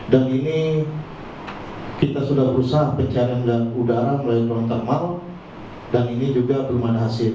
dan ini kita sudah berusaha pencarian udara melalui drone thermal dan ini juga belum ada hasil